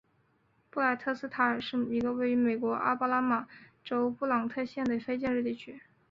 布赖特斯塔尔是一个位于美国阿拉巴马州布朗特县的非建制地区。